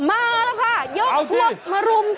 โอ้โหโอ้โหโอ้โห